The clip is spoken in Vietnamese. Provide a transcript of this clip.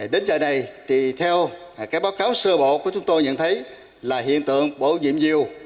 đến giờ này theo báo cáo sơ bộ của chúng tôi nhận thấy là hiện tượng bổ nhiệm nhiều